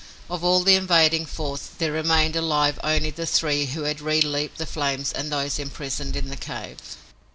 Of all the invading force there remained alive only the three who had re leaped the flames and those imprisoned in the cave.